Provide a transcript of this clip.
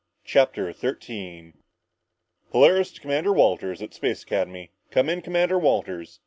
CHAPTER 13 "Polaris to Commander Walters at Space Academy Come in, Commander Walters!"